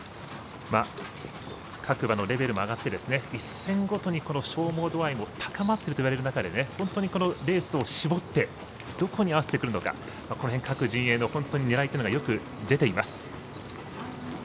各馬のレベルも上がって一戦ごとに消耗度合いも高まっているという中で本当に、このレースを絞ってどこに合わせてくるのかこの辺、各陣営のねらいというのがよく出ています。